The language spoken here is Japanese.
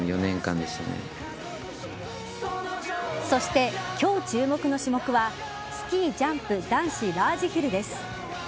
そして、今日注目の種目はスキージャンプ男子ラージヒルです。